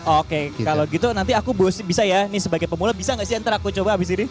oke kalau gitu nanti aku bos bisa ya ini sebagai pemula bisa nggak sih ntar aku coba abis ini